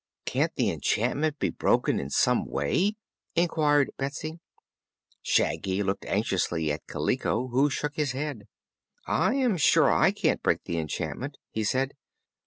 "Can't the enchantment be broken in some way?" inquired Betsy. Shaggy looked anxiously at Kaliko, who shook his head. "I am sure I can't break the enchantment," he said.